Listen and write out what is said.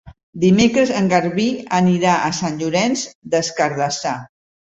Dimecres en Garbí anirà a Sant Llorenç des Cardassar.